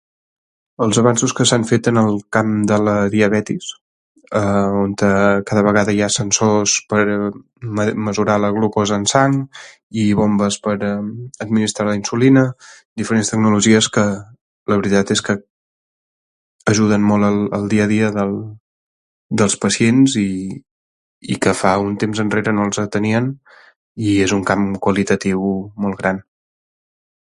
Els avenços que s'han fet en el camp de la diabetis, eh... on te... cada vegada hi ha sensors per me... mesurar la glucosa en sang, i bombes per a... administrar la insulina, diferents tecnologies que... la veritat és que... ajuden molt al, al dia a dia del... dels pacients i... i que fa un temps enrere no els ah tenien i és un camp qualitatiu molt gran.